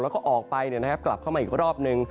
แล้วก็ออกไปกลับเข้ามาอีกรอบนึง